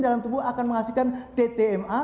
dalam tubuh akan menghasilkan ttma